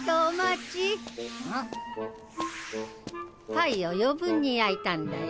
パイを余分に焼いたんだよ。